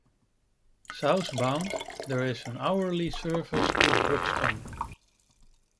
Southbound there is an hourly service to Buxton.